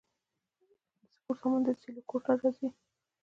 د سپورت سامان له سیالکوټ راځي؟